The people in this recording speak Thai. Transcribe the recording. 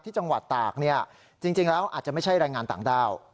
จังหวัดตากเนี่ยจริงแล้วอาจจะไม่ใช่แรงงานต่างด้าว